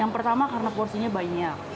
pertama karena porsinya banyak